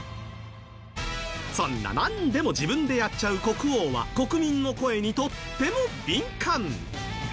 そんな何でも自分でやっちゃう国王は国民の声にとても敏感。